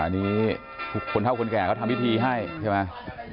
อันนี้คนเท่าคนแก่เขาทำพิธีให้ใช่ไหม